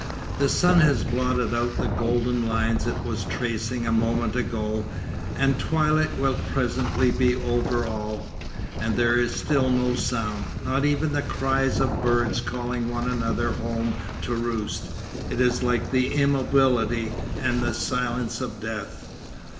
The sun has blotted out the golden lines it was tracing a moment ago, and twilight will presently be over all, and there is still no sound, not even the cries of birds calling one another home to roost; it is like the immobility and silence of death.